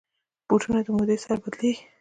بوټونه د مودې سره بدلېږي.